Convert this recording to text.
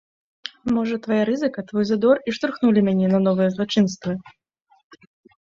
Можа, твая рызыка, твой задор і штурхнулі мяне на новыя злачынствы?